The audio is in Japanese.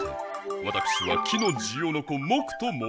わたくしは木のジオノコモクともうします。